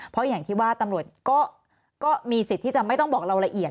เพราะอย่างที่ว่าตำรวจก็มีสิทธิ์ที่จะไม่ต้องบอกเราละเอียด